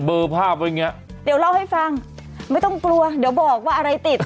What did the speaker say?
ภาพไว้อย่างเงี้ยเดี๋ยวเล่าให้ฟังไม่ต้องกลัวเดี๋ยวบอกว่าอะไรติด